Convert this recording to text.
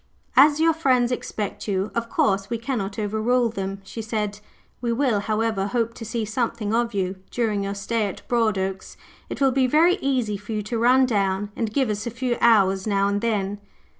"As your friends expect you, of course we cannot overrule them," she said. "We will, however, hope to see something of you during your stay at Broadoaks. It will be very easy for you to run down and give us a few hours now and then."